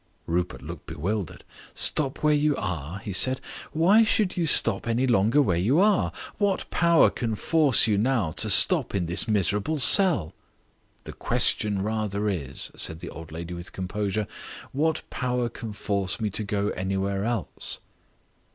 Rupert looked bewildered. "Stop where you are?" he said. "Why should you stop any longer where you are? What power can force you now to stop in this miserable cell?" "The question rather is," said the old lady, with composure, "what power can force me to go anywhere else?"